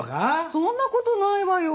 そんなことないわよ。